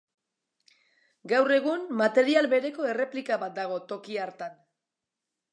Gaur egun, material bereko erreplika bat dago toki hartan.